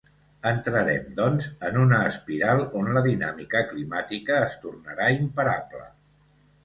Entrarem, doncs, en una espiral on la dinàmica climàtica es tornarà imparable.